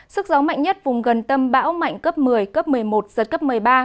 sức gió mạnh nhất vùng gần tâm bão mạnh cấp một mươi cấp một mươi một giật cấp một mươi ba